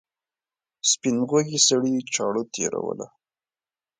سپین غوږي سړي چاړه تېروله.